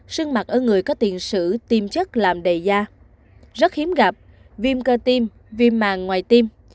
sưng mặt ở người có tiền sử tiêm chất làm đầy da rất hiếm gặp viêm cơ tiêm viêm màng ngoài tiêm